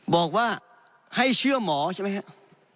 บอกว่าให้เชื่อหมอใช่ไหมครับ